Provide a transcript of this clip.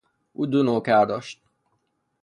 او دو نوکر داشت.